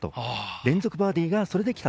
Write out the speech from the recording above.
連続バーディーがそれで来た。